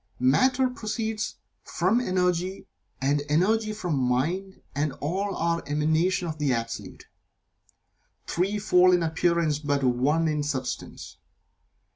Matter proceeds from Energy, and Energy from Mind, and all are an emanation of the Absolute, threefold in appearance but One in substance.